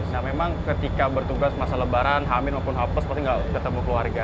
nah memang ketika bertugas masa lebaran hamil maupun hapus pasti tidak ketemu keluarga